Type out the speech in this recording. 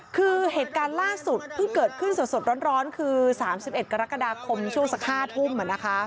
คือเหตุการณ์ล่าสุดเพิ่งเกิดขึ้นสดร้อนคือ๓๑กรกฎาคมช่วงสัก๕ทุ่ม